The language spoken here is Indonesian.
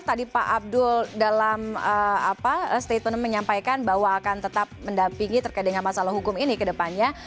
tadi pak abdul dalam statement menyampaikan bahwa akan tetap mendampingi terkait dengan masalah hukum ini ke depannya